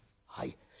「はい。